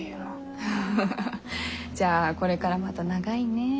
フフフフじゃあこれからまだ長いね。